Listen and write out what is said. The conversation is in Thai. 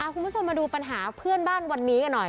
คุณผู้ชมมาดูปัญหาเพื่อนบ้านวันนี้กันหน่อย